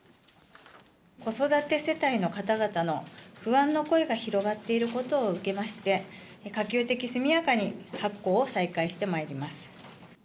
子育て世帯の方々の不安の声が広がっていることを受けまして、可及的速やかに発行を再開してまいります。